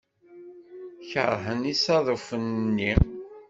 Keṛhent isaḍufen-nni.